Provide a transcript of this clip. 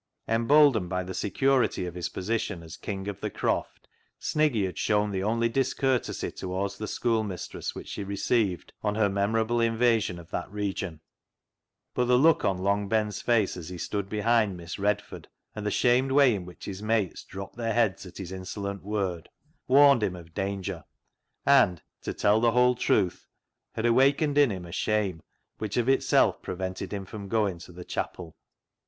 Emboldened by the security of his position as king of the Croft, Sniggy had shown the only discourtesy towards the schoolmistress which she received on her memorable invasion of that region, but the look on Long Ben's face as he stood behind Miss Redford, and the shamed way in which his mates dropped their heads at his insolent word, warned him of 2o8 CLOG SHOP CHRONICLES danger, and, to tell the whole truth, had awakened in him a shame which of itself prevented him from going to the chapel.